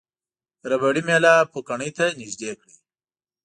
ربړي میله پوکڼۍ ته نژدې کړئ.